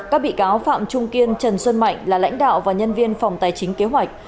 các bị cáo phạm trung kiên trần xuân mạnh là lãnh đạo và nhân viên phòng tài chính kế hoạch